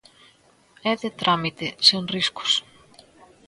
É de trámite, sen riscos.